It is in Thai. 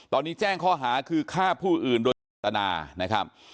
ตอนนี้แจ้งข้อหาคือฆ่าผู้อื่นโดยเจตนานะครับ